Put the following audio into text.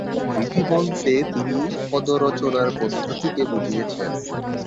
রীতি বলতে তিনি পদরচনার পদ্ধতিকে বুঝিয়েছেন।